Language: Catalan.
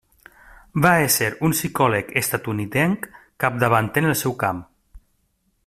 Va ésser un psicòleg estatunidenc capdavanter en el seu camp.